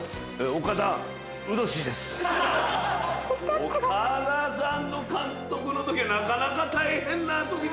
岡田さんの監督のときはなかなか大変なとき。